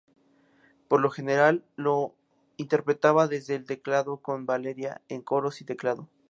Por lo general lo interpretaba desde el teclado con Valeria en coros y teclado.